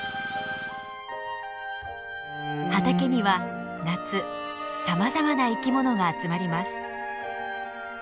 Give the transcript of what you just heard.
畑には夏さまざまな生きものが集まります。